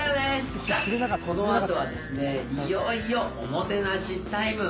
さぁこの後はですねいよいよおもてなしタイム。